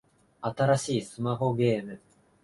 新しいスマホゲーム